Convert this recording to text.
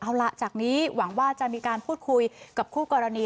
เอาล่ะจากนี้หวังว่าจะมีการพูดคุยกับคู่กรณี